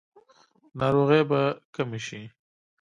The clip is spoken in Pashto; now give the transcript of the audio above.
ناروغۍ به کمې شي؟